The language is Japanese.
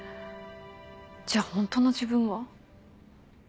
じゃあホントの自分は？